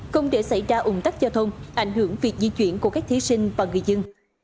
không để xảy ra ủng tắc giao thông ảnh hưởng việc di chuyển của các thí sinh và người dân